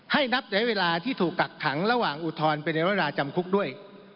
นับระยะเวลาที่ถูกกักขังระหว่างอุทธรณ์ไปในเวลาจำคุกด้วย